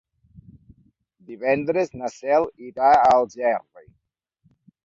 Divendres na Cel irà a Algerri.